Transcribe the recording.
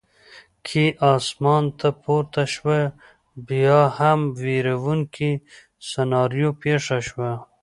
کې اسمان ته پورته شوه، بیا هم وېروونکې سناریو پېښه شوه.